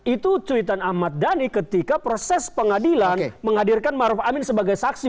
itu cuitan ahmad dhani ketika proses pengadilan menghadirkan maruf amin sebagai saksi